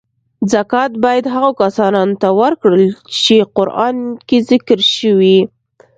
زکات باید هغو کسانو ته ورکړل چی قران کې ذکر شوی .